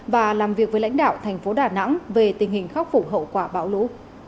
và làm việc với lãnh đạo thành phố đà nẵng về tình hình khắc phục hậu quả bão lũ